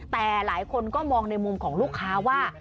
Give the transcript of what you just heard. แต่หลายคนก็มองในมุมของลูกค้าว่า